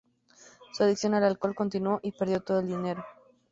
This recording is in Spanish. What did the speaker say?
Su adicción al alcohol continuó y perdió todo el dinero.